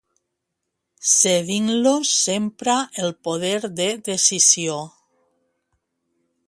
Cedint-los sempre el poder de decisió.